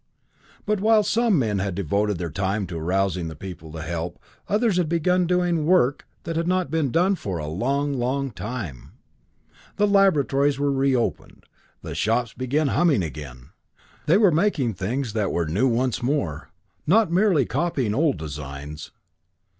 But, while some men had devoted their time to arousing the people to help, others had begun doing work that had not been done for a long, long time. The laboratories were reopened, and workshops began humming again. They were making things that were new once more, not merely copying old designs.